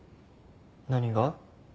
何が？